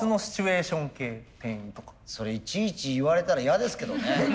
それいちいち言われたら嫌ですけどね。